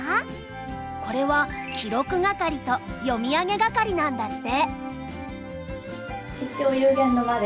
これは記録係と読み上げ係なんだって。